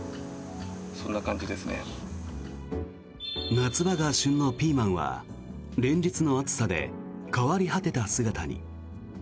夏場が旬のピーマンは連日の暑さで変わり果てた姿に。